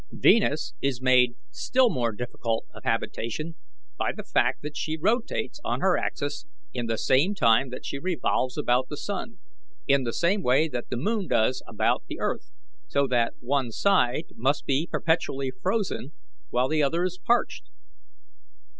"Venus is made still more difficult of habitation by the fact that she rotates on her axis in the same time that she revolves about the sun, in the same way that the moon does about the earth, so that one side must be perpetually frozen while the other is parched.